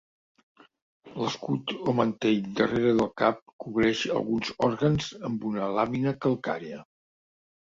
L'escut o mantell darrere del cap cobreix alguns òrgans amb una làmina calcària.